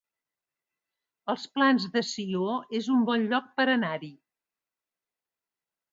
Els Plans de Sió es un bon lloc per anar-hi